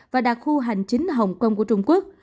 và đặc khu hành chính hồng kông của trung quốc